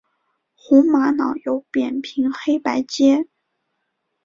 红玛瑙有扁平黑白阶。